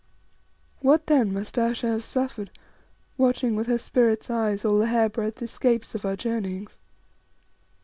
What then must Ayesha have suffered, watching with her spirit's eyes all the hair breadth escapes of our journeyings?